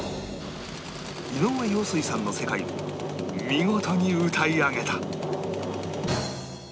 井上陽水さんの世界を見事に歌い上げた